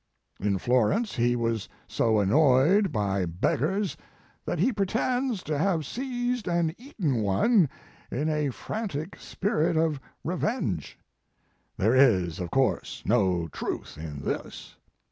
In Florence he was so annoyed by beg gars that he pretends to have seized and eaten one in a frantic spirit of revenge. There is, of course, no truth in this.